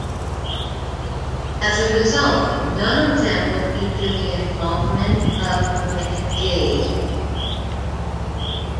As a result, none of them will feature the involvement of McG.